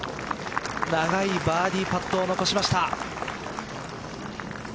長いバーディーパットを残しました。